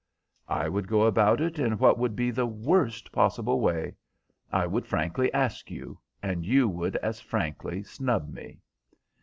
"I would go about it in what would be the worst possible way. I would frankly ask you, and you would as frankly snub me."